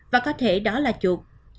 và có thể đó là chuột